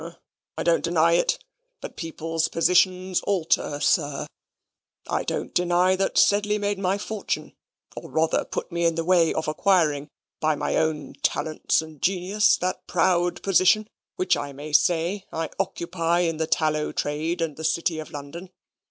"I don't deny it; but people's positions alter, sir. I don't deny that Sedley made my fortune, or rather put me in the way of acquiring, by my own talents and genius, that proud position, which, I may say, I occupy in the tallow trade and the City of London.